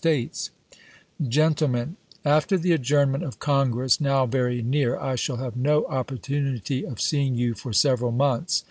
States : Gentlemen : After the adjournment of Congress, now very near, I shall have no opportunity of seeing you for several months.